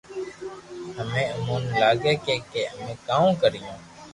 ھمي ايمون ني لاگي ھي ڪي امي ڪوم ڪريو